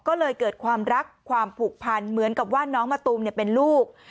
ก็เลยเกิดความรักความผูกพันเหมือนกับว่าน้องมะตูมเป็นลูก